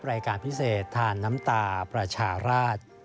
รายการพิเศษทานน้ำตาประชาราช